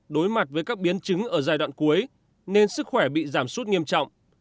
đối mặt với các biến chứng ở giai đoạn cuối nên sức khỏe bị giảm sút nghiêm trọng